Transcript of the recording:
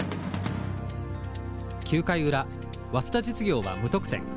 ９回裏早稲田実業は無得点。